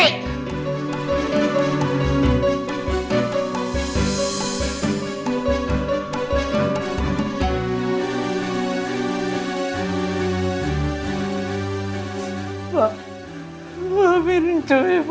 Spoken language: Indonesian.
kalau tidak hemat